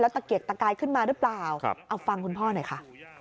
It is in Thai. ตะเกียกตะกายขึ้นมาหรือเปล่าเอาฟังคุณพ่อหน่อยค่ะ